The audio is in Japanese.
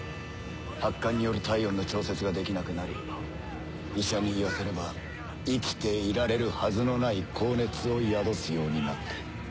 発汗による体温の調節ができなくなり医者に言わせれば生きていられるはずのない高熱を宿すようになった。